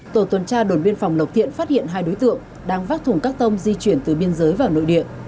tổ tuần tra đồn biên phòng lộc thiện phát hiện hai đối tượng đang vác thùng các tông di chuyển từ biên giới vào nội địa